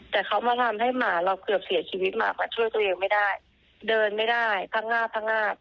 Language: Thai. แต่เขามาทำให้หมาเราเกือบเสียชีวิตหมากค่ะช่วยตัวเองไม่ได้เดินไม่ได้พังงาบพังงาบ